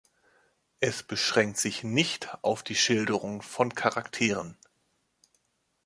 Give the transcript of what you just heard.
Es beschränkt sich nicht auf die Schilderung von Charakteren.